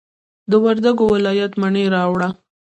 د وردګو ولایت مڼې راوړه.